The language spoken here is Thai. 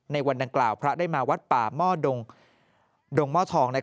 ในวันดังกล่าวพระได้มาวัดป่าหม้อดงหม้อทอง